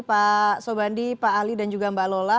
pak sobandi pak ali dan juga mbak lola